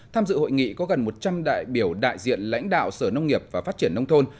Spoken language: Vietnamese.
tham dự hội nghị có gần một trăm linh đại biểu đại diện lãnh đạo sở nông nghiệp và phát triển nông thôn